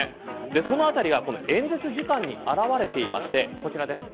そのあたりが演説時間に表れていましてこちらです。